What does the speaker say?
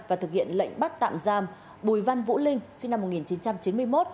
và thực hiện lệnh bắt tạm giam bùi văn vũ linh sinh năm một nghìn chín trăm chín mươi một